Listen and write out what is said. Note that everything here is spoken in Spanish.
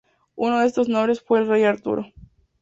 Uno de estos nobles fue el Rey Arturo.